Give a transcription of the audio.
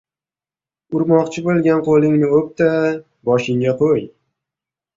• Urmoqchi bo‘lgan qo‘lingni o‘p-da, boshingga qo‘y.